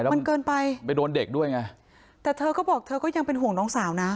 มันเกินไปไปโดนเด็กด้วยไงแต่เธอก็บอกเธอก็ยังเป็นห่วงน้องสาวนะ